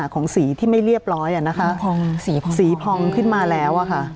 ของสีที่ไม่เรียบร้อยพอสีพองขึ้นมาแล้วอะค่ะ